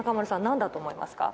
何だと思いますか？